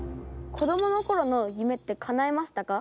子どものころの夢ってかなえましたか？